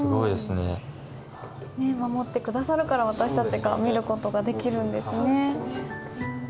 守って下さるから私たちが見る事ができるんですね。